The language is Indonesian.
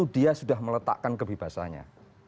dia harus memiliki kebebasannya